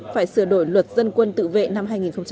phải sửa đổi luật dân quân tự vệ năm hai nghìn chín